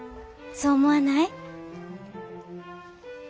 そう思わない？